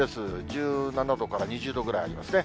１７度から２０度ぐらいありますね。